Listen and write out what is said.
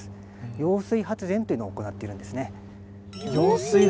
揚水発電っていうのを行っているんですね。